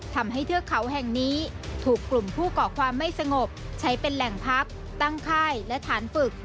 เทือกเขาแห่งนี้ถูกกลุ่มผู้ก่อความไม่สงบใช้เป็นแหล่งพักตั้งค่ายและฐานฝึก